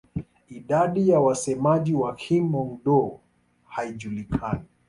Idadi ya wasemaji wa Kihmong-Dô haijulikani.